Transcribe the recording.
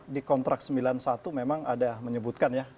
di kontrak sembilan puluh satu memang ada menyebutkan ya